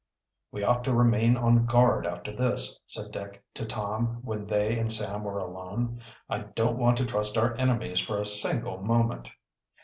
"We ought to remain on guard after this," said Dick to Tom, when they and Sam were alone. "I don't want to trust our enemies for a single moment."